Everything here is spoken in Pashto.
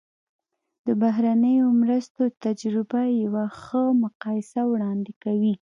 د بهرنیو مرستو تجربه یوه ښه مقایسه وړاندې کوي.